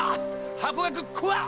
ハコガクこわっ！